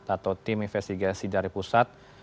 atau tim investigasi dari pusat